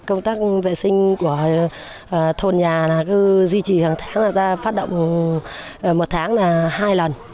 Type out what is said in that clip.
công tác vệ sinh của thôn nhà là cứ duy trì hàng tháng là ta phát động một tháng là hai lần